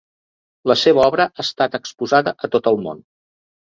La seva obra ha estat exposada a tot el món.